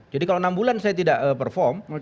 jadi kalau enam bulan saya tidak perform